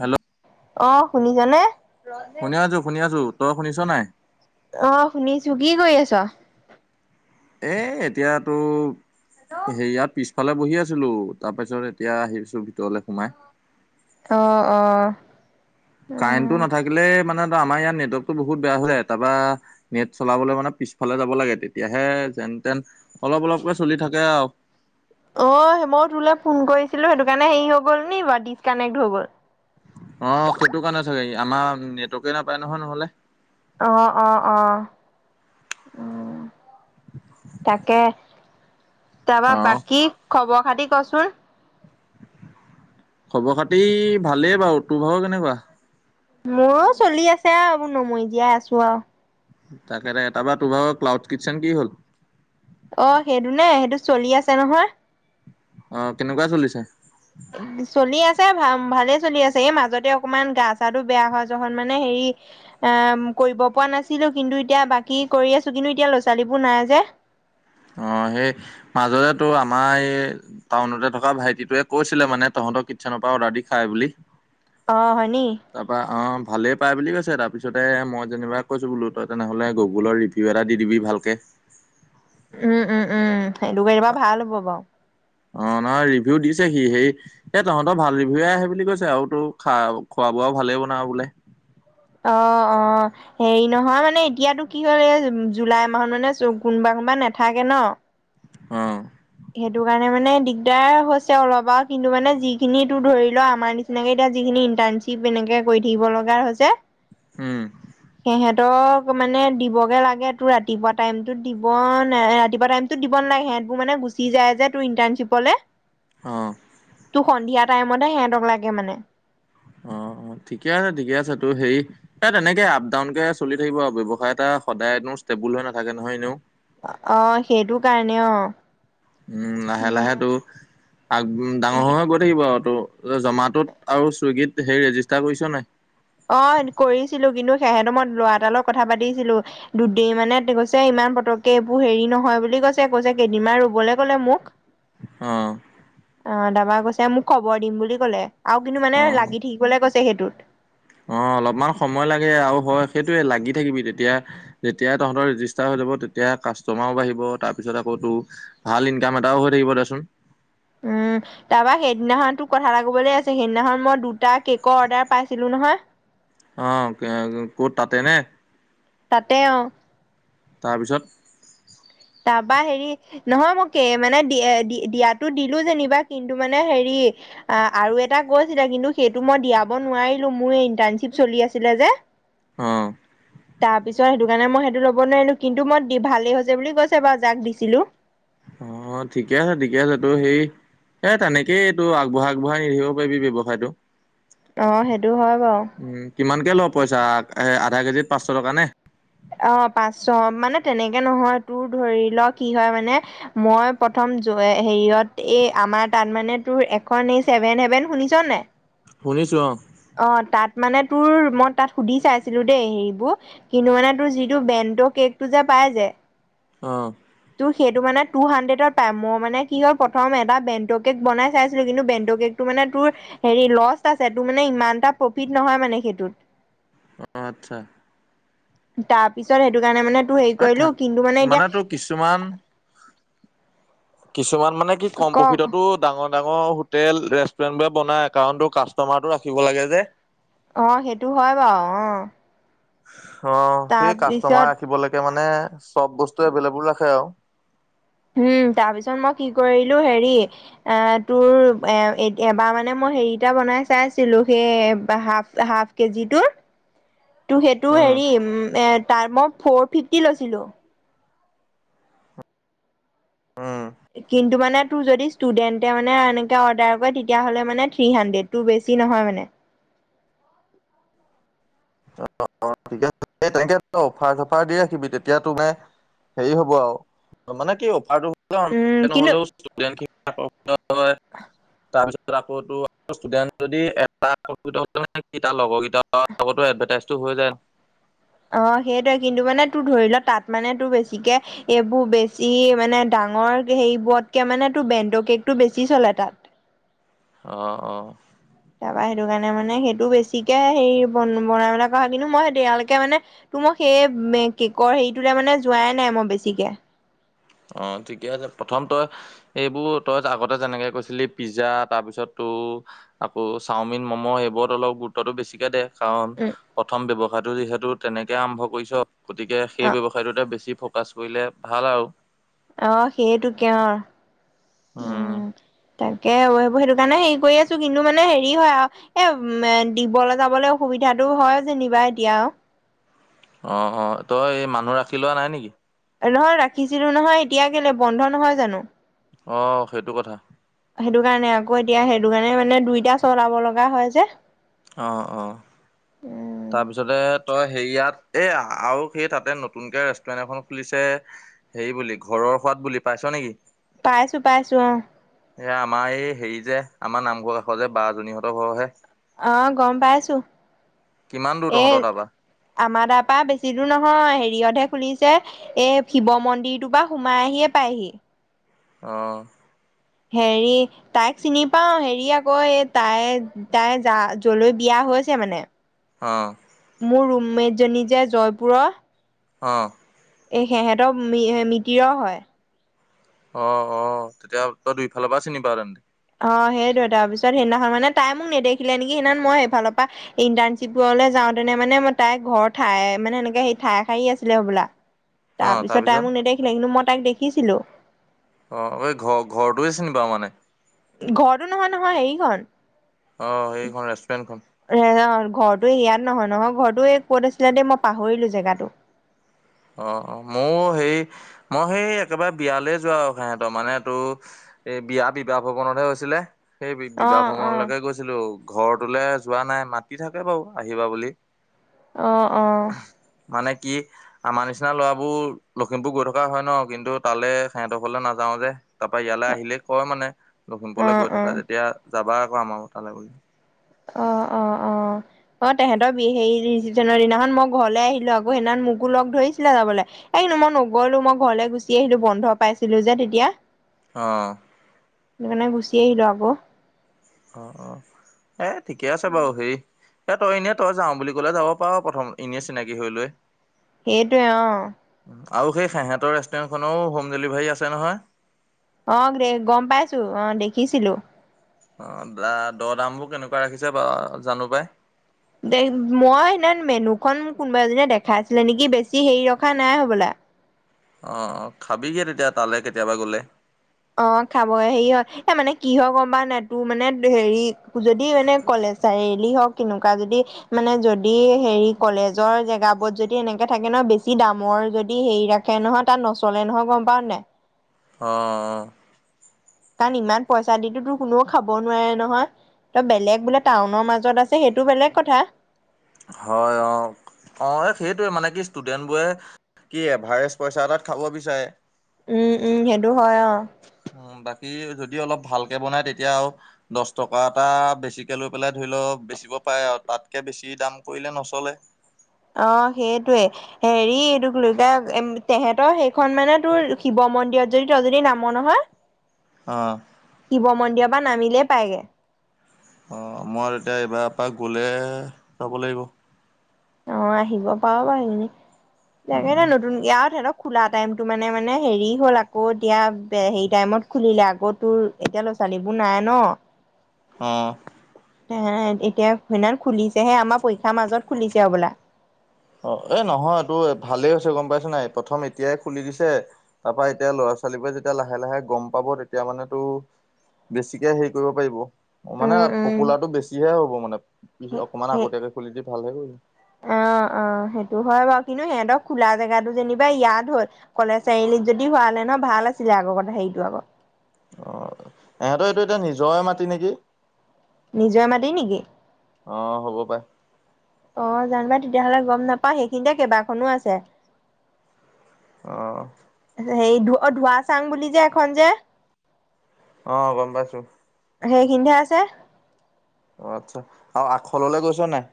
Hello. অঁ' শুনিছা নে? শুনি আছোঁ শুনি আছোঁ। তই শুনিছ নাই? অঁ' শুনিছো। কি কৰি আছ? এ এতিয়াতো হেৰিয়াত পিছফালে বহি আছিলো তাৰপিছত এতিয়া আহিছো ভিতৰলে সোমাই। অঁ অঁ। কাৰেণ্টটো নাথাকিলে মানে আমাৰ ইয়াত নেটৱৰ্কতো বহুত বেয়া হয় তাৰপৰা নেট চলাবলে মানে পিছফালে যাব লাগে তেতিয়াহে যেন তেন অলপ অলপকে চলি থাকে আৰু। অ' মই তোলে ফোন কৰিছিলো সেইটো কাৰণে হেৰি হৈ গ'ল নি বাও? ডিচকানেক্ট হৈ গ'ল। অঁ সেইটো কাৰণে চাগে আমাৰ নেটৱৰ্কে নাপায় নহয় নহ'লে। অঁ অঁ অঁ। তাকে, তাৰপৰা অ বাকী খবৰ খাতি ক'চোন? খবৰ খাতি ভালেই বাৰু। তোৰ ভাগৰ কেনেকুৱা? মোৰো চলি আছে আৰু নমৰি জীয়াই আছো আৰু। তাকে দে তোৰ ভাৰ ক্লাউড কিটচেন কি হ'ল? অ' সেইটো নে সেইটো চলি আছে নহয়। অঁ, কেনেকুৱা চলিছে? চলি আছে ভা ভালেই চলি আছে, এই মাজতে অকমান গা চাটো বেয়া হোৱা যোৱা দিনাখন মানে হেৰি এ কৰিব পৰা নাছিলো কিন্তু এতিয়া বাকী কৰি আছো কিন্তু এতিয়া ল'ৰাোৱালীবোৰ নাই যে। অঁ, সেই মাজতে তোৰ আমাৰ এই টাউনতে থকা ভাইটিটোৱে কৈছিলে মানে তহঁতৰ কিটচেনৰ পৰা অৰ্ডাৰ দি খায় বুলি। অ', হয় নি? তাৰপৰা অঁ ভালেই পাই বুলি কৈছে তাৰপিছতে মই যেনিবা কৈছো বোলো তই তেনেহ'লে গুগুলত ৰিভিউ এটা দি দিবি ভালকে। উম উম উম সেইটো কৰি দিবা ভাল হ'ব বাৰু। অঁ নহয় ৰিভিউ দিছে সি হেৰি এ তহঁতৰ ভাল ৰিভিউয়ে আহে বুলি কৈছে, আৰু তোৰ খোৱা বোৱাও ভালেই বনাওঁ বোলে। অ' অ'। হেৰি নহয় মানে এতিয়াতো কি হ'ল এই জুলাই মাহত মানে কোনোবা কোনোবা নাথাকে ন। অঁ। সেইটো কাৰণে মানে দিগদাৰ হৈছে অলপ আৰু কিন্তু, মানে যিখিনি তোৰ ধৰি লোৱা আমাৰ নিচিনা কে এতিয়া যিখিনি ইণ্টাৰ্ণশ্বিপ এনেকে কৰি থাকিব লগা হৈছে উম, সিহঁ তক মানে দিবগে লাগে তোৰ ৰাতিপুৱা টাইমতত দিব ন ৰাতিপুৱা টাইম দিব নালাগে সিহঁতবোৰ মানে গুচি যায় যে তোৰ ইণ্টাৰ্ণশ্বিপলে। অঁহ। তো সন্ধিয়া টাইমতে সিহঁতক লাগে মানে। অ অ ঠিকে আছে ঠিকে আছে তোৰ হেৰি এ তেনেকে আপ ডাউন কে চলি থাকিব আৰু ব্যৱসায় এটা সদায়নো ষ্টেবুল হৈ নাথাকে নহয় এনেও। অ‌ অ সেইটো কাৰণে অ উম লাহে লাহে উম তো আ ডাঙৰ হৈ হৈ গৈ থাকিব আৱ তো জমাটোত আৰু চুইগীত সেই ৰেজিষ্টাৰ কৰিছ নাই। অ কৰিছিলো কিন্তু সেহেতো সময়ত লৰা এটা লগত কথা পাতিছিলো দু দে মানে কৈছে ইমান পতককে এইবোৰ হেৰি নহয় বুলি কৈছে কৈছে কেইদিনমান ৰবলে কলে মোক। [inaudible] অ অ তাপা কৈছে মোক খবৰ দিম বুলি কলে আৰু কিন্তু মানে অ', লাগি থাকিবলে কৈছে সেইটোত। অ অলপমান সময় লাগে আৰু হয় সেইটোয়ে লাগি থাকিবি তেতিয়া যেতিয়া তহঁতৰ ৰেজিষ্টাৰ হৈ যাব তেতিয়া কাষ্টটমাৰো বাঢ়িব তাৰ পিছত আকৌ তোৰ ভাল ইনকাম এটাও হৈ থাকিব দেচোন উম। তাৰপৰা সেইদিনাখনতো তোক কথা এটা কবলে আছে সেইদিনাখন মই দুটা কেকৰ অৰ্ডাৰ পাইছিলো নহয়। অ ক'ত তাতে নে তাতে অ তাৰপিছত তাৰপা হেৰি নহয় মোক এ মানে দি দিয়াতো দিলো যেনিবা কিন্তু মানে হেৰি অ আৰু এটা কৈছিলে কিন্তু সেইটো মই দিয়াব নোৱাৰিলো মোৰ ইণ্টাৰ্ণশ্বিপ চলি আছিলে যে অ তাৰ পিছত সেইটো কাৰণে মই সেইটো ল'ব নোৱাৰিলো কিন্তু মই ভালেই হৈছে বুলি কৈছে বাও যাক দিছিলো অ ঠিকে আছে ঠিকে আছে তোৰ সেই এ তেনেকেই এইটো আগবঢ়াই আগবঢ়াই নি থাকিব পাৰিবি ব্যৱসায়টো অ সেইটো হয় বাও কিমানকে ল পইচা আধা কেজিত পাঁচশ টকা নে অ পাঁচশ মানে তেনেকে নহয় তোৰ ধৰি লওক কি হয় মানে মই প্ৰথম হেৰিয়ত এই আমাৰ তাত মানে তোৰ এখন ছেভেন হেভেন শুনিছ নাই শুনিছো অ অ তাত মানে তোৰ মই তাত সুধি চাইছিলো দেই হেৰিবোৰ কিন্তু মানে তোৰ যিটো ব্ৰেণ্ড কেকটো যে পাই যে অ ত' সেইটো মানে টু হাড্ৰেডত পাই মই মানে কি হল প্ৰথম এটা বেণ্ট কেক বনাই চাইছিলো কিন্তু বেণ্ট কেক তোৰ মানে তোৰ হেৰি লছ আছে তোৰ মানে ইমান এটা প্ৰফিট নহয় মানে সেইটোত অ আচ্ছা তাৰপিছত সেইটো কাৰণে মানে তোৰ হেৰি এ কৰিলো থাক কিন্তু মানে এতিয়া কিছুমান কিছুমান মানে কি কম কওক প্ৰফিটতো ডাঙৰ ডাঙৰ হোটেল ৰেষ্টুৰেন্ট বোৰে বনাই কাৰণ তোৰ কাষ্টটমাৰটো ৰাখিব লাগে যে অ সেইটো হয় বাও অ অ সেই তাৰপিছত কাষ্টটমাৰ ৰাখিবলৈকে মানে চব বস্তু এভেইলেবল ৰাখে আৰু উম তাৰ পিছত মই কি কৰিলো হেৰি আ, তোৰ এ, এবাৰ মানে মই হেৰিটা বনাই চাইছিলো, সেই হাফ হাফ কেজিটোৰ টো সেইটো উম হেৰি এ, তাৰ মই ফৰ ফিফটি লৈছিলো। উম। কিন্তু মানে তোৰ যদি ষ্টুডেণ্টে মানে এনেকে অৰ্ডাৰ কৰে তেতিয়হ'লে মানে থ্ৰী হানড্ৰেড, তোৰ বেছি নহয় মানে। অ' ঠিক [unintelligible] এনেকে অফাৰ চফাৰ দি ৰাখিবি তেতিয়া তুমে হেৰি হ'ব আৰু মানে কি অফাৰটো উম [unintelligible] কিন্তু নহ'লেও [unintelligible] [inaudible] তাৰপিছত আকৌ তোৰ ষ্টুডেণ্ট যদি এটা [unintelligible] লগৰ কেইটাৰ লগত তোৰ এডভাৰটাইজটো হৈ যায় অ' সেইটোয়ে কিন্তু মানে তোৰ ধৰি ল' তাত মানে তোৰ বেছিকে এইবোৰ বেছি মানে ডাঙৰ সেইবোৰতকে মানে তোৰ বেণ্ডৰ কেকটো বেছি চলে তাত। অ', অ'। তাৰপৰা সেইটো কাৰণে মানে, সেইটো বেছিকে সেৰি বন বনাই মেলা কৰা হয় কিন্তু মই দিয়ালৈকে মানে তো মই সেই কেকৰ হেৰিটোতে মানে যোৱাই নাই মই বেছিকে। অ' ঠিকে আছে। প্ৰথম তই এইবোৰ তই আগতে যেনেকৈ কৈছিলি পিজ্জা তাৰপিছত তোৰ আকৌ চাওমিন ম'ম' এইবোৰত অলপ গুৰুত্বতটো বেছিকে দে। কাৰণ উম প্ৰথম ব্যাৱসায়টো যিহেতু তেনেকে আৰম্ভ কৰিছ গতিকে অ সেই ব্যৱসায়টোতে বেছি ফ পাছ কৰিলে ভাল আৰু। অ' সেইটোকে অ'। উম। তাকে সেইটো কাৰণে হেৰি কৰি আছোঁ কিন্তু মানে হেৰি হয় আ এ, দিবলৈ যাবলৈ অসুবিধাটো হয় যেনিবা এতিয়া। অ', অ' তই এই মানুহ ৰাখি লোৱা নাই নেকি? নহয় ৰাখিছিলোঁ নহয়, এতিয়া কেলে বন্ধ নহয় জানো। অ' সেইটো কথা। সেইটো কাৰণে আকৌ, এতিয়া সেইটো কাৰণে মানে দুইটা চলাব লগা হয় যে। অ', অ'। উম তাৰপিছতে তই হেৰিয়াত এ, আৰু সেই তাতে নতুনকে ৰেষ্টুৰেন্ট এখন খুলিছে হে বুলি, ঘৰৰ সোৱাদ বুলি, পাইছ নেকি? পাইছোঁ পাইছোঁ অ'। এয়া আমাৰ এই হেৰি যে, আমাৰ নামঘৰ এষৰ যে বাজনীহঁতৰ ঘৰৰহে। অ' গম পাইছোঁ। কিমান দূৰ তহঁতৰ তাৰপৰা? আমাৰ তাৰপা বেছি দূৰ নহয়, হেৰিয়তহে খুলিছে। এ, শিৱ মন্দিৰটোৰ পৰা সোমাই আহিয়ে পায়হি। অ'। হেৰি তাইক চিনি পাওঁ, হেৰি আকৌ এই তাই তাই যা যলৈ বিয়া হৈছে মানে অ'। মোৰ ৰুমমেটজনী যে জয়পুৰৰ। অ'। এই সেহঁতৰ মি-মিতিৰৰ হয়। অ অ তেতিয়া তই দুইফালৰ পৰা চিনি পাৱ তেন্তে। অ সেইটোয় তাৰ পিছত সেইদিনাখন মানে তাই মোক নেদেখিলে নেকি সেইদিনা মই সেইফালৰ পা। ইণ্টাৰ্ণশ্বিপলৈ যাওঁতেনে মানে ম তাই ঘৰ ঠায়ে মানে সেনেকে সেই ঠাই হাৰি আছিলে হ'বলা। তাৰ অ', পিছত তাই তাৰপিছত মোক নেদেখিলে কিন্তু মই তাইক দেখিছিলো। অ এই ঘৰ ঘৰটোৱে চিনি পাৱ মানে। ঘৰতো নহয় নহয় এইখন। অ সেইখন ৰেষ্টুৰেণ্টখন। ঘৰটো ইয়াত নহয় নহয় ঘৰটো ক'ত আছিলে দেই মই পাহৰিলো জেগাতটো। অ মও সেই মই সেই একেবাৰে বিয়ালৈ যোৱা আৰু সহতৰ মানে টো। এই বিয়া বিবাহ ভ্ৰৱনতহে হৈছিলে সেই বি বিবাহ অ' অ' ভ্ৰমনলৈকে গৈছিল। ছিলো ঘৰটোলৈ যোৱা নাই মাতি থাকে বাৰু আহিবা বুলি। অ অ। মানে কি। আমাৰ নিচিনা ল'ৰাবোৰ লখিমপুৰ গৈ থকা হয় ন কিন্তু তালে সিহঁতৰ ঘৰলে নাযাওঁ যে। তাৰ পৰা ইয়ালৈ আহিলেই কয় মানে লখিমপুৰলৈ অ' গৈ অ'। থাকা যেতিয়া যাবা আকৌ আমাৰ ক তালৈ বুলি। অ অ অ অ তেহেতৰ বি হেৰি ৰিচিপশ্যনৰ দিনাখন মই ঘৰলৈ আহিলো আকৌ সেইনাখন মোকো লগ ধৰিছিলে যাবলে এই নো মই নগলো মই ঘৰলৈ গুচি আহিলো বন্ধ পাইছিলো যে তেতিয়া। অ। মানে গুছি আহিলো আকৌ। অ অ এ ঠিকে আছে বাৰু হেই। এ তই এনে তই যাও বুলি কলে যাব পাৰ প্ৰথম এনে চিনাকি হৈ লৈ। সেইটোৱে অ। আৰু সেই সেহঁতৰ ৰেষ্টুৰেণ্টখনৰো হোম ডেলিভাৰী আছে নহয়। অ দে গম পাইছো অ দেখিছিলো। অ দা দড় দামবোৰ কেনেকুৱা ৰাখিছে ব জানো পাই। দে মই সেইদিনা মেনু খন কোনোবা এজনীয়ে দেখাই আছিলে নেকি বেছি হেৰি ৰখা নাই হ'বলা। অ অ খাবিগে তেতিয়া তালৈ কেতিয়াবা গ'লে। অ খাব হেৰি হয় এ মানে কিহৰ গম পা নাই তোৰ মানে হেৰি যদি মানে কলেজ। চাৰিআলি হওক কেনেকুৱা যদি। মানে যদি হেৰি কলেজৰ জেগাবত যদি এনেকে থাকে ন বেছি দামৰ যদি হেৰি ৰা। খে নহয় তাত নচলে নহয় গম পাওঁ নাই। অঁ অ। কাৰণ ইমান পইচা দিতো তোৰ কোনেও খাব নোৱাৰে নহয়। ত বেলেগ বোলে টাউনৰ মাজত আছে সেইটো বেলেগ কথা। হয় অ অ এই সেইটোৱে মানে কি ষ্টুডেন্ট বোৰে। কি এভাৰেষ্ট পইচা এটাত খাব বিচাৰে। উম উম সেইটো হয় অ। উ বাকী যদি অলপ ভালকে বনাই তেতিয়া আৰু দহ টকা এটা বেছিকে লৈ পেলাই ধৰি লও বেচিব পাৰে আৰু তাতকে বেছি। কি দাম কৰিলে নচলে। অ সেইটোৱে। হেৰি এইটো ল তেহেতৰ সেইখন মানে তোৰ শিৱ মন্দিৰত যদি ত যদি নাম নহয়। [inaudible] অ। শিৱ মন্দিৰ পৰা নামিলেই পায়গে, অ মই এতিয়া এইবাৰ পৰা গলে যাব লাগিব। অ আহিব পাৰ বাৰু হেণেকে, লাগে উম ন নতুনকে আউ তেহেটক, খোলা টাইমতটো মানে মানে হেৰি হ'ল আকৌ এতিয়া হেৰি টাইমত খুলিলে আকৌ তোৰ, এতিয়া ল'ৰা ছোৱালীবোৰ নাই ন, অঁ এতিয়া সেইনা খুলিছেহে আমাৰ পৰীক্ষাৰ মাজত খুলিছে হবলা, অ এ নহয় তো ভালেই হৈছে গম পাইছ নাই প্ৰথম এতিয়াই খুলি দিছে, তাৰ পৰা এতিয়া ল'ৰা ছোৱালীবোৰে যেতিয়া লাহে লাহে গম পাব তেতিয়া মানে তো, বেছিকে হেৰি কৰিব পাৰিব। অ মানে উম উম পপুলাৰটো বেছিহে হ'ব মানে অকমান সেই আগতীয়াকে খুলি দি ভালহে কৰিলে। অ অ সেইটো হয় বাৰু কিন্তু সিহঁতক খোলা জেগাতটো যেনিবা ইয়াত হ'ল। কলেজ চাৰিআলিত যদি হোৱা হলে ন ভাল আছিলে আগৰত হেৰিটো আগত, অ, এহঁতৰ এইটো এতিয়া নিজৰে মাতি নেকি নিজৰ মাটি নেকি? অ হ'ব পাই, অ জানো পাই তেতিয়াহ'লে গম নাপাও সেইখিনিতে কেইবাখনো আছে। অঁ হে ধ ধোৱা চাং বুলি যে এখন যে, অ গম পাইছো। সেই খিনিত হে আছে। অ আচ্ছা আৰু আখললে গৈছ নাই?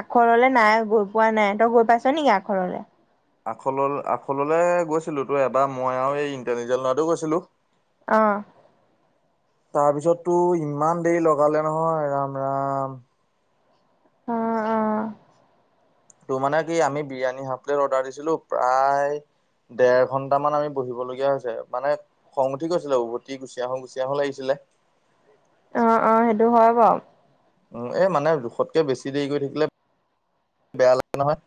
আখৰলে নাই গৈ পোৱা নাই তই গৈ পাইছ নেকি আখৰলে, আখল আখললৈ গৈছিলো তো এবাৰ মই আৰু এই ইণ্টাৰজেল লৰাতো গৈছিলো। অ তাৰপিছততো ইমান দেৰি লগালে নহয় ৰাম ৰাম। অ অ তোৰ মানে কি আমি বিৰিয়ানী হাফ প্লেট অৰ্ডাৰ দিছিলো প্ৰায়, দেৰ ঘন্টামান আমি বহিবলগীয়া হৈছে মানে, খং উঠি গৈছিলে উভতি গুচি আহো গুচি আহো লাগিছিলে। অ অ সেইটো হয় বাউ, উ এই মানে জোখতকৈ বেছি দেৰি কৰি থাকিলে বেয়া লাগে নহয়,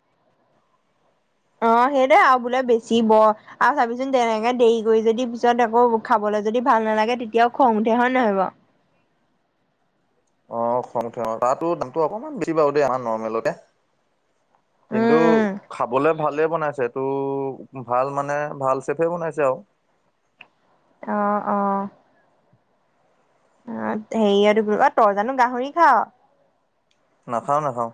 অ সেইটোৱে আৰু বোলে বেছি ব, আৰু চাবিচোন তেনেকে দেৰি কৰি যদি পিছত আকৌ খাবলৈ যদি ভাল নালাগে তেতিয়াও খং উঠে হয় ন নহয় বাও, অ খং উঠে তাতো দামতটো অকনমান বেছি বাৰু দেই আমাৰ নৰ্মেলতে, কিন্তু উম উম খাবলে, ভালেই বনাইছে টো ভাল মানে ভাল চেফে বনাইছে আউ, অ অ অ হেৰি আৰু অ তই জানো গাহৰি খাও, নাখাওঁ নাখাওঁ।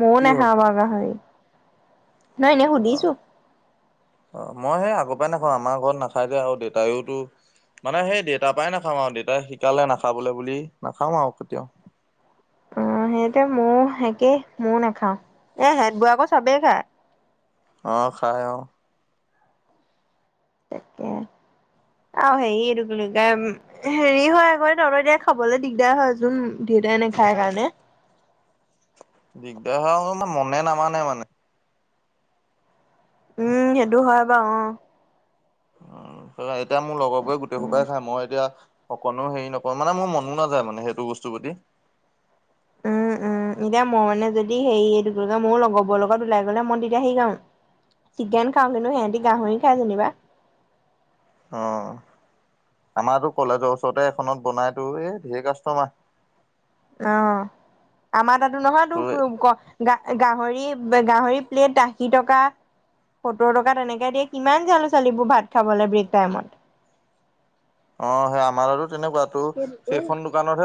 ময়ও কি হ'ল নাখাওঁ বা গাহৰি নহয় এনেই অ সুধিছো। অ মই সেই আগৰ পৰাই নাখাওঁ আমাৰ ঘৰত নাখাই যে আৰু দেউতায়ওতো, মানে সেই দেউতাৰ পৰাই নাখাম আৰু দেউতাই শিকালে নাখাবলৈ বুলি নাখওঁ আৰু কেতিয়াও, অ সেইটো মও একেই ময়ো নাখাও এ হেত বোৱে আক চবেই খায়। অ খাই অ, তাকে আও হেৰি এইটো কি বুলি কয়, হেৰি হয় আকৌ তলত দিয়াই খাবলৈ দিগদাৰ হয় যোন দেউতাই নেখায় কাৰণে। দিগদাৰ হ আমাৰ মনে নামানে মানে। উম সেইটো হয় বাৰু অহ। তই এতিয়া মোৰ লগৰ বোৰে গোটেই খোপই খাই মই এতিয়া অকণো হেৰি নকয় মানে মোৰ মনো নাযায় মানে সেইটো বস্তু প্ৰতি। উম উম। উম এতিয়া মই মানে যদি হেৰি এই মোৰ লগৰবোৰ লগত ওলাই গ'লে মই তেতিয়া সেই খাওঁ। চিকেন খাওঁ কিন্তু সিহঁতি গাহৰি খায় যেনেবা। অহ আমাৰতো কলেজৰ ওচৰতে এখনত বনাইতো এ ঢেৰ কাষ্টমাৰ। অহ আমাৰ তাতো নহয় তো ক। গ গাহৰি গাহৰি প্লেট আশী টকা। সত্তৰটকা তেনেকে দি কিমান জানে ছোৱালীবোৰ ভাত খাবলৈ ব্ৰেক টাইমত। অহ সেই আমাৰ তাতো তেনেকুৱা তো সেইখন দোকানতহে।